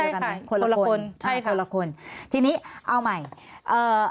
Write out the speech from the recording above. คนเดียวกันไหมคนละคนคนละคนทีนี้เอาใหม่เอ่อ